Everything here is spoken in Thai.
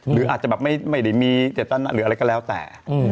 หรืออาจจะแบบไม่ได้มีเจตนาหรืออะไรก็แล้วแต่